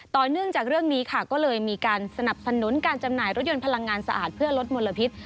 ต่อเนื่องจากเรื่องนี้ค่ะก็เลยมีการสนับสนุนการจำหน่ายรถยนต์พลังงานสะอาดเพื่อลดมลพิษ